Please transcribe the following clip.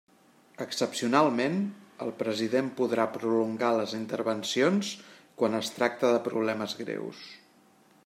Excepcionalment, el president podrà prolongar les intervencions quan es tracte de problemes greus.